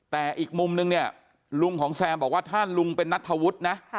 แต่อีกมุมนึงเนี่ยลุงของแซมบอกว่าถ้าลุงเป็นนัทธวุฒินะ